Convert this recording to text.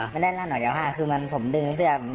มันลั่นออกจากผ้าเลยอ๋อ